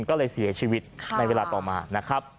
ก็เลยเสียชีวิตในเวลาต่อมานะครับ